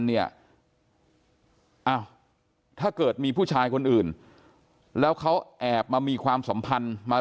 เนี่ยอ้าวถ้าเกิดมีผู้ชายคนอื่นแล้วเขาแอบมามีความสัมพันธ์มา